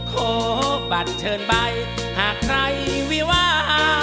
ขอบัตรเชิญใบหากใครวิวา